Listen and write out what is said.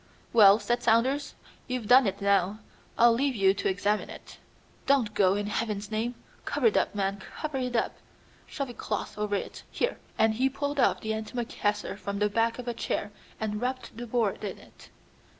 "Well," said Saunders, "you've done it now. I'll leave you to examine it." "Don't go, in heaven's name. Cover it up, man, cover it up! Shove a cloth over it! Here!" and he pulled off the antimacassar from the back of a chair and wrapped the board in it.